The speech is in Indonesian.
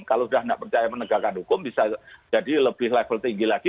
kalau sudah tidak percaya penegakan hukum bisa jadi lebih level tinggi lagi